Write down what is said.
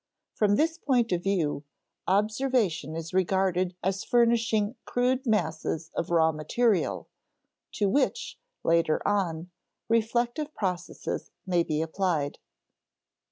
From this point of view, observation is regarded as furnishing crude masses of raw material, to which, later on, reflective processes may be applied.